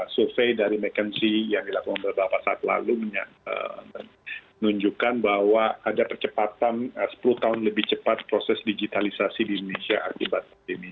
survei dari mckenzie yang dilakukan beberapa saat lalu menunjukkan bahwa ada percepatan sepuluh tahun lebih cepat proses digitalisasi di indonesia akibat pandemi